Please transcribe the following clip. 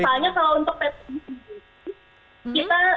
misalnya kalau untuk petisi